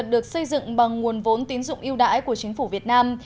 được xây dựng bằng nguồn vốn tín dụng yêu đãi của chính phủ việt nam